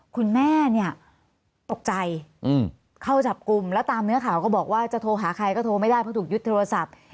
คุณแม่เนี่ยตกใจเข้าจับกลุ่มแล้วตามเนื้อข่าวก็บอกว่าจะโทรหาใครก็โทรไม่ได้เพราะถูกยึดโทรศัพท์